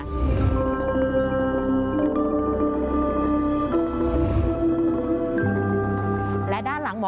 วัดไล่แตงทองจังหวัดนครปฐม